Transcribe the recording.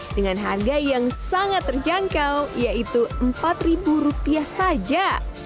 dengan harga yang sangat terjangkau yaitu rp empat saja